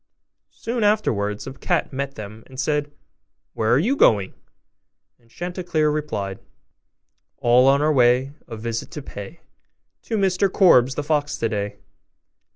Soon afterwards a cat met them, and said, 'Where are you going?' And Chanticleer replied, 'All on our way A visit to pay To Mr Korbes, the fox, today.